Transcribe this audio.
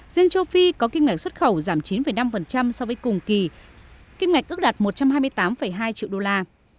riêng châu phi có kim ngạch xuất khẩu giảm chín năm so với cùng kỳ kim ngạch ước đạt một trăm hai mươi tám hai triệu đô la